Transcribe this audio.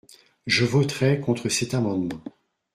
Je voterai contre cet amendement.